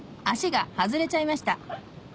足が外れちゃいました